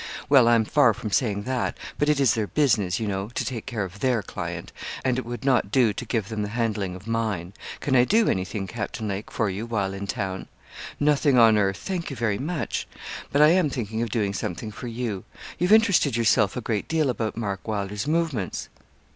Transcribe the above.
'Well, I'm far from saying that, but it is their business, you know, to take care of their client; and it would not do to give them the handling of mine. Can I do anything, Captain Lake, for you while in town?' 'Nothing on earth, thank you very much. But I am thinking of doing something for you. You've interested yourself a great deal about Mark Wylder's movements.'